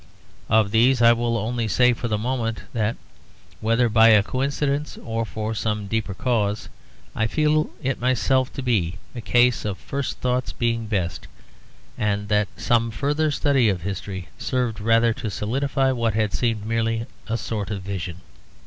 Of these I will only say for the moment that, whether by a coincidence or for some deeper cause, I feel it myself to be a case of first thoughts being best; and that some further study of history served rather to solidify what had seemed merely a sort of vision.